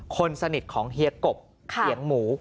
คนสนิทของเฮียกบเสียงหมู